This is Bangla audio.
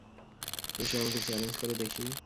এসো, আমাকে চ্যালেঞ্জ করো দেখি!